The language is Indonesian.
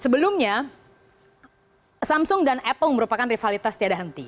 sebelumnya samsung dan apple merupakan rivalitas tiada henti